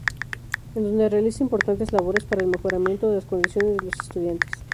En donde realiza importantes labores para el mejoramiento de las condiciones de los estudiantes.